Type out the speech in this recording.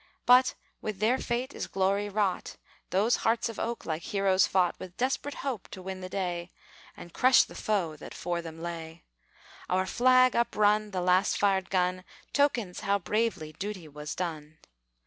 But with their fate is glory wrought, Those hearts of oak like heroes fought With desperate hope to win the day, And crush the foe that 'fore them lay. Our flag up run, the last fired gun, Tokens how bravely duty was done.